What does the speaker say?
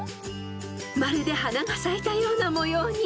［まるで花が咲いたような模様に］